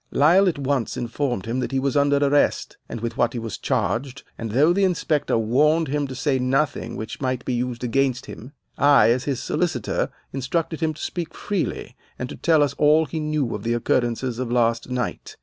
Lyle at once informed him that he was under arrest, and with what he was charged, and though the inspector warned him to say nothing which might be used against him, I, as his solicitor, instructed him to speak freely and to tell us all he knew of the occurrences of last night.